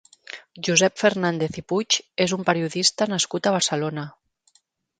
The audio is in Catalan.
Josep Fernández i Puig és un periodista nascut a Barcelona.